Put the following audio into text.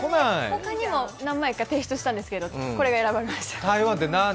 他にも何枚か提出したんですけど、これになりました。